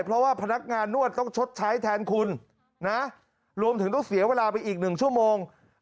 เพราะว่าพนักงานนวดต้องชดใช้แทนคุณนะรวมถึงต้องเสียเวลาไปอีก๑ชั่วโมง